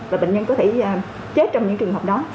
và bệnh nhân có thể chết trong những trường hợp đó